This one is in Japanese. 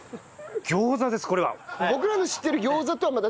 餃子ですこれは。